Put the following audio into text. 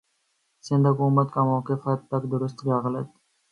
سندھ حکومت کا موقفکس حد تک درست یا غلط ہے